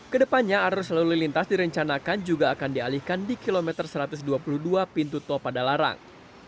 kedepannya arus lalu lintas direncanakan juga akan dialihkan di kilometer satu ratus dua puluh dua pintu tol padalarang